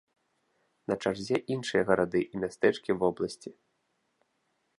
На чарзе іншыя гарады і мястэчкі вобласці.